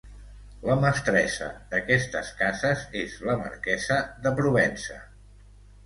La mestressa d'aquestes cases és la marquesa de Provença.